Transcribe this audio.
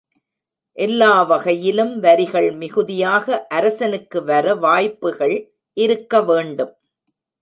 எல்லா வகையிலும் வரிகள் மிகுதியாக அரசனுக்கு வர வாய்ப்புகள் இருக்க வேண்டும்.